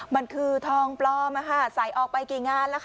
มันคือทองปลอมใส่ออกไปกี่งานแล้วค่ะ